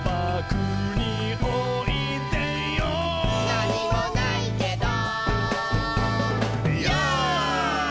「なにもないけど」